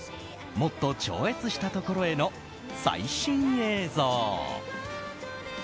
「もっと超越した所へ。」の最新映像。